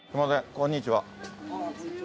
こんにちは。